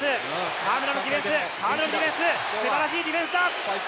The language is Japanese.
河村のディフェンス、のディフェンス、すばらしいディフェンスだ！